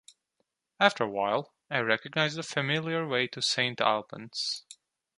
After a while I recognized the familiar way to St Albans.